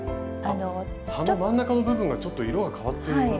葉の真ん中の部分がちょっと色が変わっていますよね。